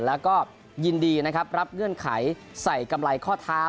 แล้วก็ยินดีนะครับรับเงื่อนไขใส่กำไรข้อเท้า